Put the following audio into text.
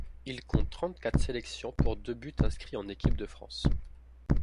Il compte trente-quatre sélections pour deux buts inscrits en équipe de France.